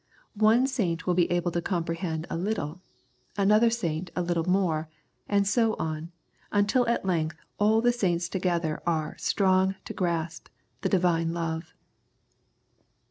One saint will be able to comprehend a little, another saint a little more, and so on, until at length all the saints together are " strong to grasp " the Divine love.